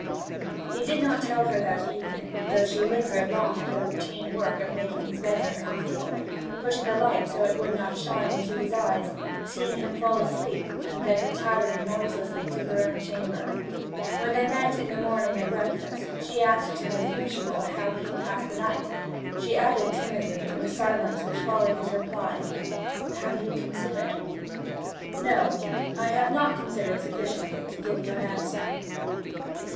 He did not tell her that evening, though she lingered long at her routine work of making his bedroom comfortable, putting the light so that it would not shine into his eyes, seeing him fall asleep, and then retiring noiselessly to her own chamber. When they met in the morning at breakfast, and she had asked him as usual how he had passed the night, she added timidly, in the silence which followed his reply, 'Have you considered?' 'No, I have not considered sufficiently to give you an answer.'